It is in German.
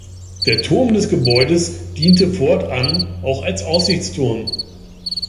Der Turm des Gebäudes diente fortan auch als Aussichtsturm.